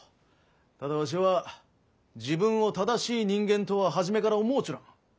ただわしは自分を正しい人間とは初めから思うちょらん。